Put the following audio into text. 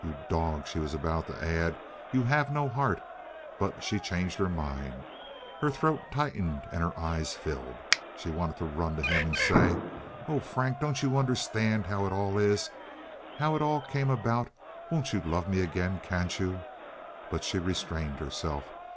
"You dog," she was about to add, "you have no heart!" but she changed her mind. Her throat tightened and her eyes filled. She wanted to run to him and say: "Oh, Frank, don't you understand how it all is, how it all came about? Won't you love me again—can't you?" But she restrained herself.